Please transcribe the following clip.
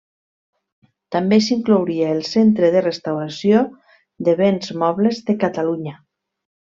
També s'inclouria el Centre de Restauració de Béns Mobles de Catalunya.